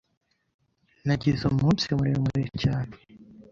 Nagize umunsi muremure cyane.